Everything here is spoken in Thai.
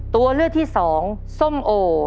ตัวเลือกที่สองส้มโอ